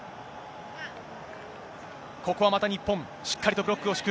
ここはまた日本、しっかりとブロックを敷く。